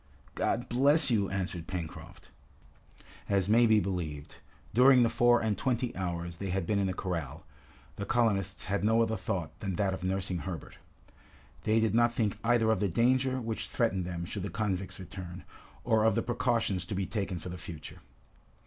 "God bless you!" answered Pencroft. As may be believed, during the four and twenty hours they had been in the corral, the colonists had no other thought than that of nursing Herbert. They did not think either of the danger which threatened them should the convicts return, or of the precautions to be taken for the future.